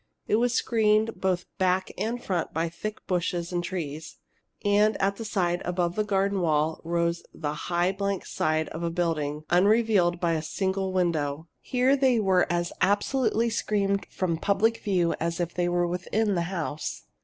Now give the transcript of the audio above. It was screened both back and front by thick bushes and trees. And at the side, above the garden wall, rose the high blank side of a building, unrelieved by a single window. Here they were as absolutely screened from public view as if they were within the house.